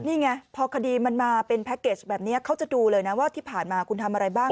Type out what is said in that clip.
นี่ไงพอคดีมันมาเป็นแพ็คเกจแบบนี้เขาจะดูเลยนะว่าที่ผ่านมาคุณทำอะไรบ้าง